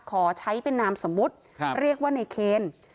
ขอใช้เป็นนามสมมุติเรียกว่าในเคน